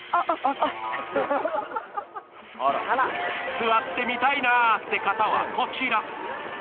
座って見たいなって方はこちら。